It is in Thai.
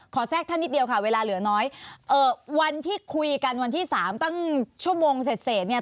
แทรกท่านนิดเดียวค่ะเวลาเหลือน้อยเอ่อวันที่คุยกันวันที่สามตั้งชั่วโมงเสร็จเสร็จเนี่ย